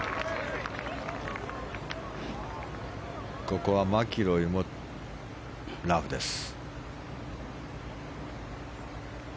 ここはマキロイもラフです。